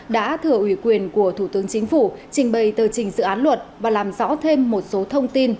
đã thừa ủy quyền của thủ tướng chính phủ trình bày tờ trình dự án luật và làm rõ thêm một số thông tin